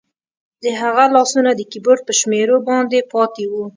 د هغه لاسونه د کیبورډ په شمیرو باندې پاتې وو